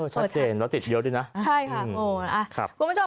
ชัดเจนแล้วติดเยอะดีนะ